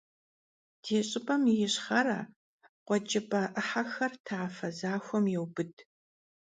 Di ş'ıp'em yi yişxhere, khueç'ıp'e 'ıhexer tafe zaxuem yêubıd.